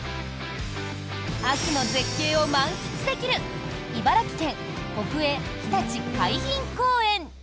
秋の絶景を満喫できる茨城県・国営ひたち海浜公園。